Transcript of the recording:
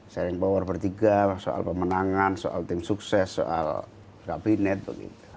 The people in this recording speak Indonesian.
sharing power bertiga soal pemenangan soal tim sukses soal kabinet begitu